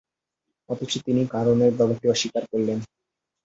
অথচ তিনি কারণের ব্যাপারটি অস্বীকার করলেন।